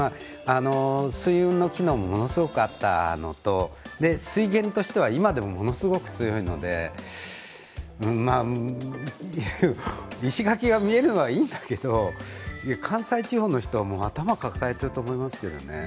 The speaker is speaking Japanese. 水運の機能もものすごくあったのと水源としては今でもものすごく強いので石垣が見えるのはいいんだけど、関西地方の人は、頭を抱えていると思いますけどね。